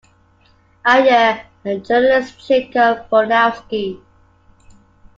Ayer, and journalist Jacob Bronowski.